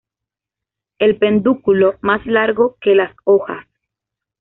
El pedúnculo más largo que las hojas.